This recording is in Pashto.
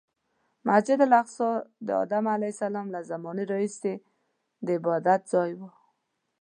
مسجد الاقصی د ادم علیه السلام له زمانې راهیسې د عبادتځای و.